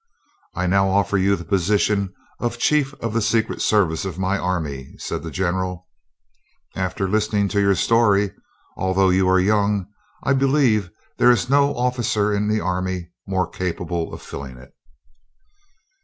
"I now offer you the position of Chief of the Secret Service of my army," said the General. "After listening to your story, although you are young, I believe there is no officer in the army more capable of filling it."